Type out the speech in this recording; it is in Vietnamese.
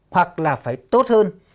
hoặc là phải tốt hơn